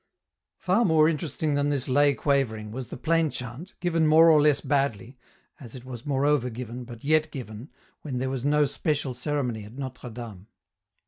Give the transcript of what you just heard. Far more interesting than this lay quavering was the plain chant, given more or less badly, as it was moreover given, but yet given, when there was no special ceremony at Notre Dame.